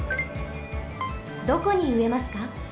どこにうえますか？